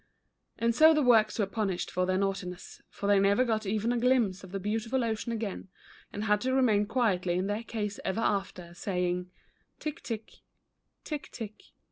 And so the works were punished for their naughtiness, for they never got even a glimpse, of the beautiful ocean again, and had to remain quietly in their case ever after, saying *' Tick tick, tick tick."